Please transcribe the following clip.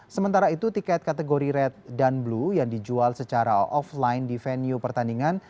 sementara itu tiket kategori red dan blue yang dijual secara offline di venue pertandingan